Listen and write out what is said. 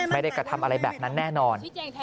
ไม่ได้กระทำอะไรแบบนั้นแน่นอน